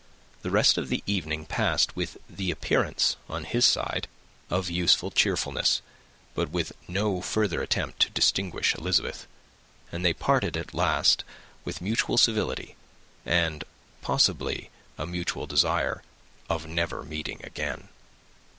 The rest of the evening passed with the appearance, on his side, of usual cheerfulness, but with no further attempt to distinguish Elizabeth; and they parted at last with mutual civility, and possibly a mutual desire of never meeting again.